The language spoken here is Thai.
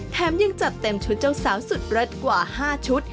ยังจัดเต็มชุดเจ้าสาวสุดเลิศกว่า๕ชุด